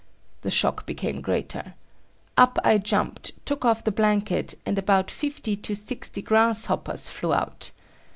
The shock became greater. Up I jumped, took off the blanket, and about fifty to sixty grasshoppers flew out.